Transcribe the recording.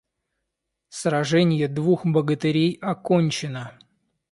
Сраженье двух богатырей окончено.